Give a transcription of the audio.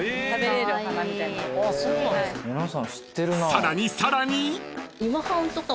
［さらにさらに］